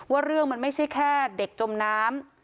ว่าเรื่องมันไม่ใช่แค่เด็กจมน้ำ